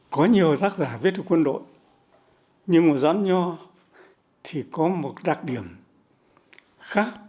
có nhiều tác giả viết được quân đội nhưng mà doãn nho thì có một đặc điểm khác